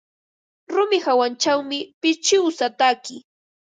Rumi hawanćhawmi pichiwsa taki.